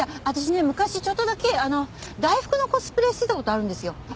私ね昔ちょっとだけ大福のコスプレしてた事あるんですよ。